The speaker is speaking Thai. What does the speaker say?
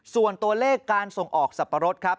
ส่วนตัวเลขการส่งออกสับปะรดครับ